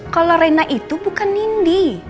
kalau rena itu bukan nindi